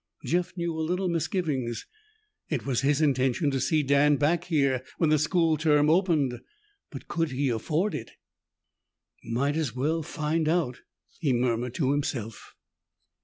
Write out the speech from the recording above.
Jeff knew a little misgiving. It was his intention to see Dan back here when the school term opened. But could he afford it? "Might as well find out," he murmured to himself.